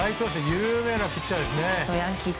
有名なピッチャーですね。